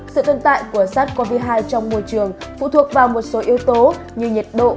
sự tồn tại của sars cov hai trong môi trường phụ thuộc vào một số yếu tố như nhiệt độ